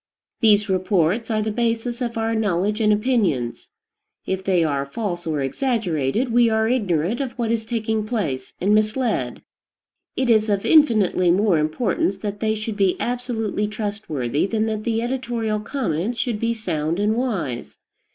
These reports are the basis of our knowledge and opinions. If they are false or exaggerated, we are ignorant of what is taking place, and misled. It is of infinitely more importance that they should be absolutely trustworthy than that the editorial comments should be sound and wise.